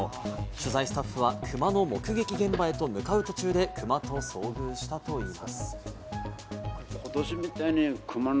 取材スタッフはクマの目撃現場へと向かう途中でクマと遭遇したといいます。